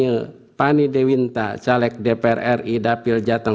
berita terkini mengenai penyelidikan pidio dan seterusnya tahun dua ribu dua puluh empat